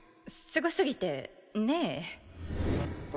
すごすぎてねえ。